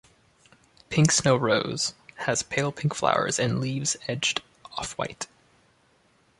'Pink Snow Rose' has pale pink flowers and leaves edged off-white.